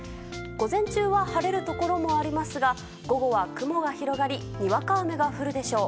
午前中は晴れるところもありますが午後は雲が広がりにわか雨が降るでしょう。